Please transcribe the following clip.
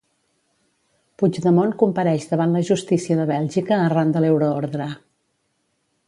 Puigdemont compareix davant la justícia de Bèlgica arran de l'euroordre.